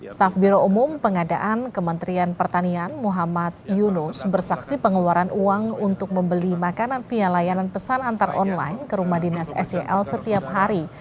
staf biro umum pengadaan kementerian pertanian muhammad yunus bersaksi pengeluaran uang untuk membeli makanan via layanan pesan antar online ke rumah dinas sel setiap hari